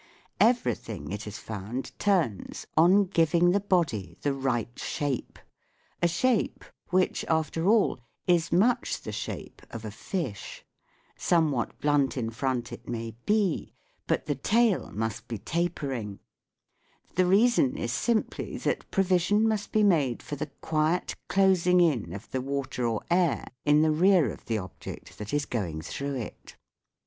Everything, it is found, turns on giving the body the right shape a shape which, after all, is much the shape of a fish. Some what blunt in front it may be, but the tail must be tapering. The reason is simply that provi sion must be made for the quiet closing in of the water or air in the rear of the object that is going through it.